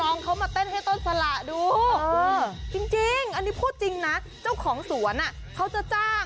โอ้แม่เจ้า